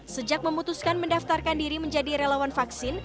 sejak memutuskan mendaftarkan diri menjadi relawan vaksin